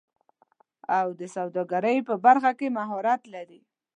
او د سوداګرۍ په برخه کې مهارت لري